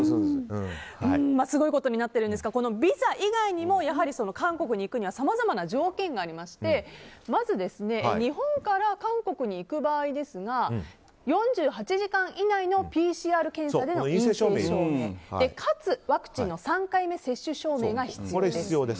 すごいことになっていますがこのビザ以外にも韓国に行くにはさまざまな条件がありましてまず、日本から韓国に行く場合４８時間以内のＰＣＲ検査での陰性証明かつ、ワクチンの３回目接種証明が必要です。